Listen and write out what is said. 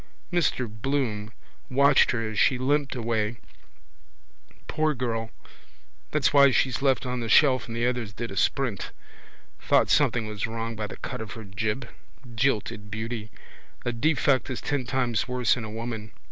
Mr Bloom watched her as she limped away. Poor girl! That's why she's left on the shelf and the others did a sprint. Thought something was wrong by the cut of her jib. Jilted beauty. A defect is ten times worse in a woman.